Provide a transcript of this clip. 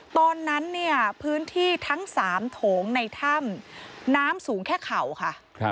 ตอนนั้นเนี่ยพื้นที่ทั้ง๓โถงในถ้ำน้ำสูงแค่เข่าค่ะ